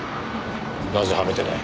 なぜはめてない？